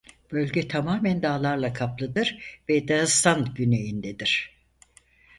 Bölge tamamen dağlarla kaplıdır ve Dağıstan güneyindedir.